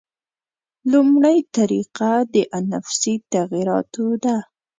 لومړۍ طریقه د انفسي تغییراتو ده.